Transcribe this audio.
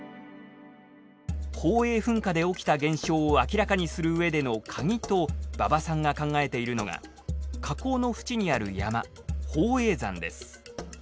宝永噴火で起きた現象を明らかにするうえでのカギと馬場さんが考えているのが火口の縁にある山宝永山です。